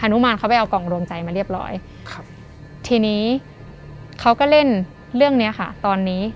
นุมานเขาไปเอากล่องรวมใจมาเรียบร้อยครับทีนี้เขาก็เล่นเรื่องเนี้ยค่ะตอนนี้